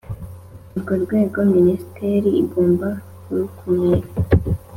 urwo rwego Minisiteri igomba kurkumira